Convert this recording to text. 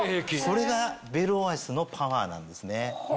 それがベルオアシスのパワーなんですね。